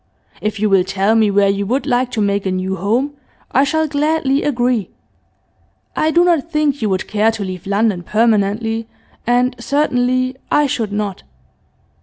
If you will tell me where you would like to make a new home I shall gladly agree. I do not think you would care to leave London permanently, and certainly I should not.